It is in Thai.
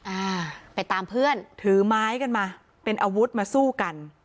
อ่าไปตามเพื่อนถือไม้กันมาเป็นอาวุธมาสู้กัน